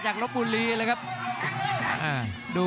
รับทราบบรรดาศักดิ์